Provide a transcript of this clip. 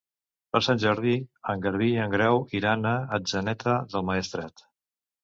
Per Sant Jordi en Garbí i en Grau iran a Atzeneta del Maestrat.